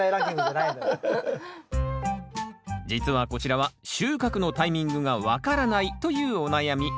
実はこちらは収穫のタイミングが分からないというお悩み。